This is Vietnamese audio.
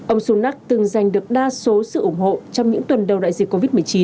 ông sunak từng giành được đa số sự ủng hộ trong những tuần đầu đại dịch covid một mươi chín